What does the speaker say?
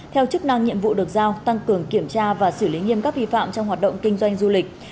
theo chức năng nhiệm vụ được giao tăng cường kiểm tra và xử lý nghiêm các vi phạm trong hoạt động kinh doanh du lịch